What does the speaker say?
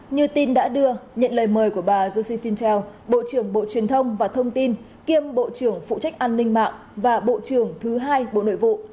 như tin đã đưa nhận lời mời của bà jessephintel bộ trưởng bộ truyền thông và thông tin kiêm bộ trưởng phụ trách an ninh mạng và bộ trưởng thứ hai bộ nội vụ